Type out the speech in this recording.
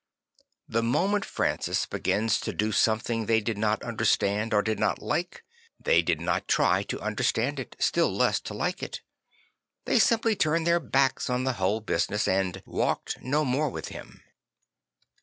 The moment Francis began to do some thing they did not understand or did not like, they did not try to understand it, still less to like it; they simply turned their backs on the whole business and U walked no more with him."